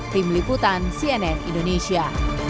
tim liputan cnn indonesia